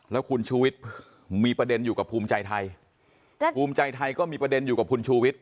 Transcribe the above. แล้วคุณชูวิทย์มีประเด็นอยู่กับภูมิใจไทยภูมิใจไทยก็มีประเด็นอยู่กับคุณชูวิทย